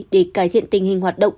để cải thiện tình hình hoạt động